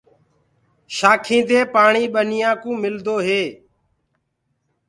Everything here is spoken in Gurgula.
شآکينٚ دي پآڻي ٻنيوڪوُ ملدو هي۔